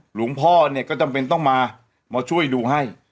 หลวงพ่อเนี่ยก็จำเป็นต้องมามาช่วยดูให้